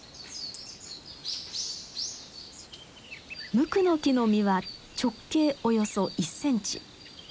ムクノキの実は直径およそ１センチ。